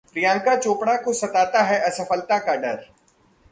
प्रियंका चोपड़ा को सताता है असफलता का डर